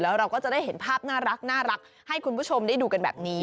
แล้วเราก็จะได้เห็นภาพน่ารักให้คุณผู้ชมได้ดูกันแบบนี้